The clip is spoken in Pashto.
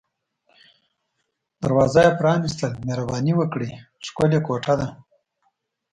دروازه یې پرانیستل، مهرباني وکړئ، ښکلې کوټه ده.